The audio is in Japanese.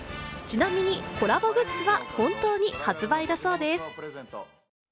ちなみにコラボグッズは本当に発売だそうです。